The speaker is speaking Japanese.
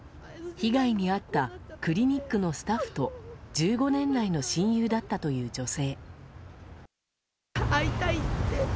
被害に遭ったクリニックのスタッフと１５年来の親友だったという女性。